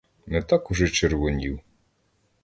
Не так уже червонів.